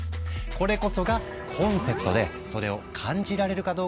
これこそがコンセプトでそれを感じられるかどうかが超重要。